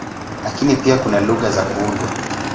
Lakini pia kuna lugha za kuundwa.